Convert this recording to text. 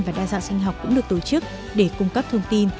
và đa dạng sinh học cũng được tổ chức để cung cấp thông tin